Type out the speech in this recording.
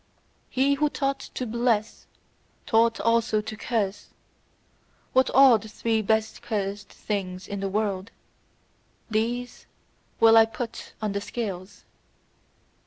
He who taught to bless taught also to curse: what are the three best cursed things in the world? These will I put on the scales.